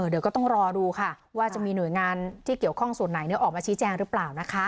เดี๋ยวก็ต้องรอดูค่ะว่าจะมีหน่วยงานที่เกี่ยวข้องส่วนไหนออกมาชี้แจงหรือเปล่านะคะ